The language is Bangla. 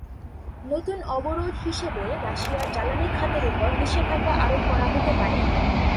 নতুন অবরোধ হিসেবে রাশিয়ার জ্বালানি খাতের ওপর নিষেধাজ্ঞা আরোপ করা হতে পারে।